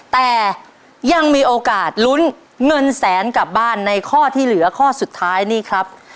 แต่ยังมีโอกาสลุ้นเงินแสนกลับบ้านในข้อที่เหลือข้อสุดท้ายนี่ครับ